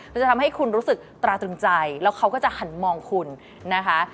จะทำให้คุณรู้สึกตราตรึงใจแล้วเขาก็จะหันมองคุณนะคะ